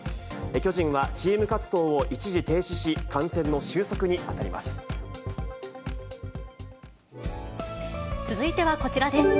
巨人は、チーム活動を一時停止し、続いてはこちらです。